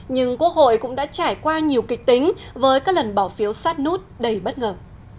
nhưng quốc hội cũng đã trải qua nhiều kịch tính với các lần bỏ phiếu sát nút đầy bất ngờ